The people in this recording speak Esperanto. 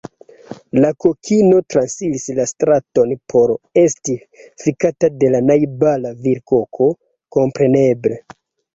La kokino transiris la straton por esti fikata de la najbara virkoko, kompreneble.